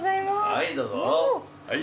はいどうぞはい。